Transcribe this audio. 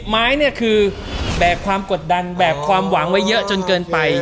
ไม้เนี่ยคือแบกความกดดันแบกความหวังไว้เยอะจนเกินไป